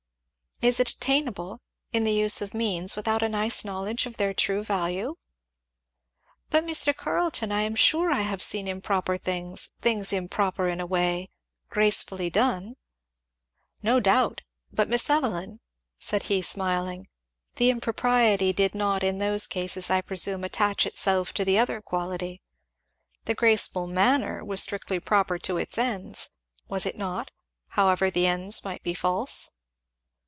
"Is it attainable, in the use of means, without a nice knowledge of their true value?" "But, Mr. Carleton, I am sure I have seen improper things things improper in a way gracefully done?" "No doubt; but, Miss Evelyn," said he smiling "the impropriety did not in those cases, I presume, attach itself to the other quality. The graceful manner was strictly proper to its ends, was it not, however the ends might be false?"